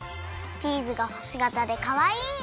チーズがほしがたでかわいい！